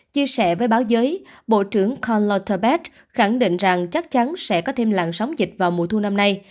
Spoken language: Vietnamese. chia sẻ với báo giới bộ trưởng karl lothar beth khẳng định rằng chắc chắn sẽ có thêm làn sóng dịch vào mùa thu năm nay